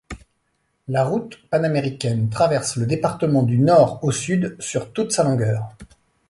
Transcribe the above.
La route panaméricaine traverse le département du nord au sud sur toute sa longueur.